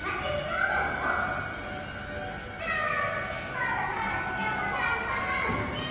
まだまだ時間はたくさんあるもんね。